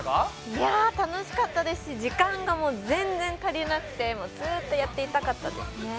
いや楽しかったですし時間がもう全然足りなくてもうずっとやっていたかったですね。